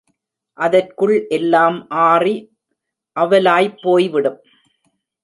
அதற்குள் எல்லாம் ஆறி அவலாய்ப் போய்விடும்.